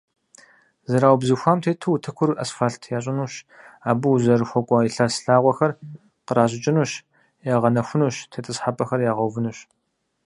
Зэраубзыхуам тету утыкур асфальт ящӀынущ, абы узэрыхуэкӀуэ лъэс лъагъуэхэр къращӀыкӀынущ, ягъэнэхунущ, тетӀысхьэпӀэхэр ягъэувынущ.